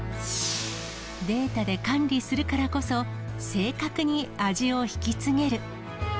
データで管理するからこそ、正確に味を引き継げる。